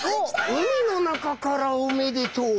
「海の中からおめでとう」